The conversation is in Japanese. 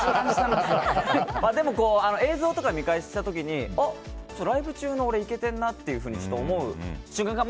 でも映像とか見返した時にライブ中の俺いけてるなっていうふうに思う瞬間が